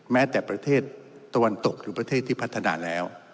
แม้แต่ประเทศตะวันตกหรือประเทศที่พัฒนาแล้ว